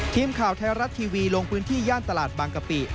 ทีมข่าวไทยรัฐทีวีลงพื้นที่ย่านตลาดบางกะปิ